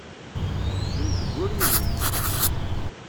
D mm tguriwin.